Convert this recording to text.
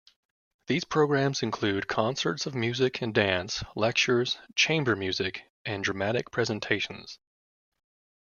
These programs include concerts of music and dance, lectures, chamber music, and dramatic presentations.